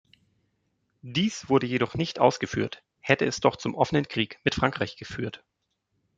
Dies wurde jedoch nicht ausgeführt, hätte es doch zum offenen Krieg mit Frankreich geführt.